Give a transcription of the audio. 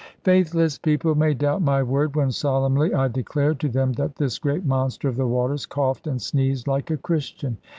Faithless people may doubt my word, when solemnly I declare to them that this great monster of the waters coughed and sneezed like a Christian.